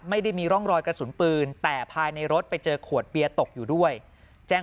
ไม่ได้มีร่องรอยกระสุนปืนแต่ภายในรถไปเจอขวดเบียร์ตกอยู่ด้วยแจ้ง